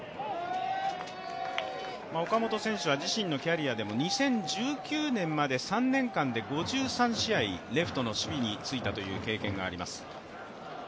岡本選手は自身のキャリアでも２０１９年まで３年間で５３試合、レフトの守備についたという経験があります。